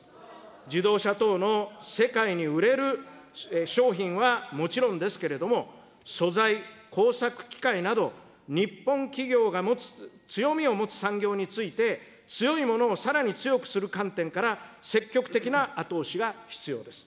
自動車等の世界に売れる商品はもちろんですけれども、素材、工作機械など、日本企業が持つ、強みを持つ産業について、強いものをさらに強くする観点から、積極的な後押しが必要です。